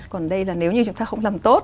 còn đây là nếu như chúng ta không làm tốt